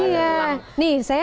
nih saya sama feni rambut aku juga